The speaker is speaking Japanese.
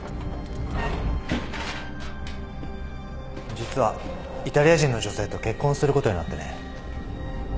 実はイタリア人の女性と結婚することになってね。